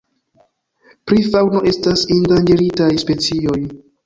Pri faŭno estas endanĝeritaj specioj.